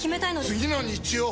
次の日曜！